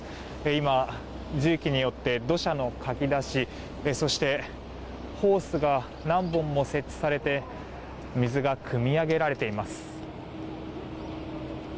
今、重機によって土砂のかき出しそしてホースが何本も設置されて水がくみ上げられています。